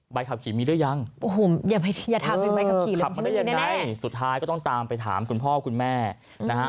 ขับขี่มีหรือยังโอ้โหอย่าถามถึงใบขับขี่เลยขับมาได้ยังไงสุดท้ายก็ต้องตามไปถามคุณพ่อคุณแม่นะฮะ